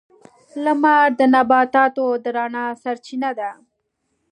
• لمر د نباتاتو د رڼا سرچینه ده.